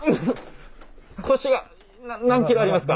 腰がな何キロありますか？